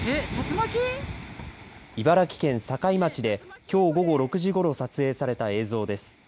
茨城県境町できょう午後６時ごろ撮影された映像です。